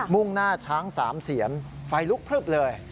่งหน้าช้างสามเสียนไฟลุกพลึบเลย